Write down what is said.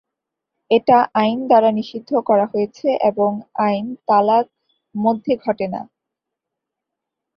এটা আইন দ্বারা নিষিদ্ধ করা হয়েছে এবং আইন তালাক মধ্যে ঘটে না।